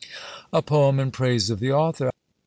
A POEM IN PRAISE OF THE AUTHOR.